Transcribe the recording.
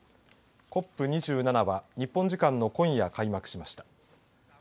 ＣＯＰ２７は日本時間の今夜開幕しました。